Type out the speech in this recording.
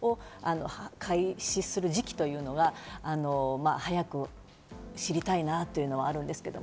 開始する時期というのは、早く知りたいなというのはあるんですけど。